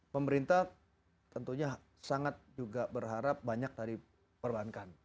pemerintah tentunya sangat juga berharap banyak dari perbankan